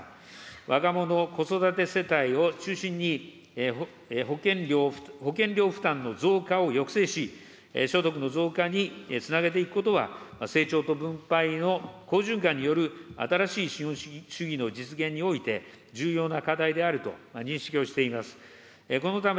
若者・子育て世帯を中心に、保険料負担の増加を抑制し、所得の増加につなげていくことは、成長と分配の好循環による新しい資本主義の実現において、重要な課題であると認識をしています。